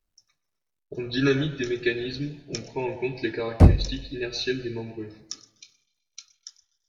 En dynamique des mécanismes, on prend en compte les caractéristiques inertielles des membrures.